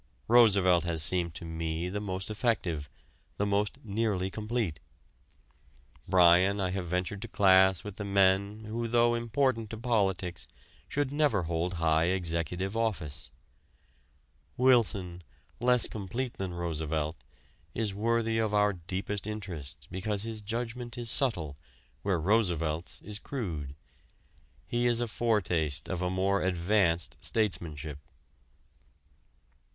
Roosevelt has seemed to me the most effective, the most nearly complete; Bryan I have ventured to class with the men who though important to politics should never hold high executive office; Wilson, less complete than Roosevelt, is worthy of our deepest interest because his judgment is subtle where Roosevelt's is crude. He is a foretaste of a more advanced statesmanship.